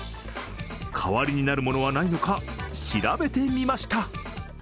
代わりになるものはないのか調べてみました。